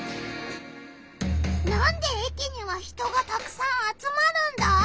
なんで駅には人がたくさん集まるんだ？